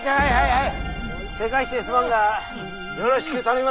はい！